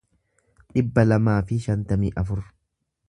dhibba lamaa fi shantamii afur